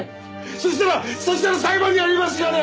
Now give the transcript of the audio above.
そしたらそしたら裁判になりますよね？